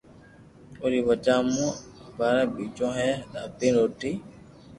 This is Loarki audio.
اوري وجہ مون اپارا بچو اي دھاپين روٽي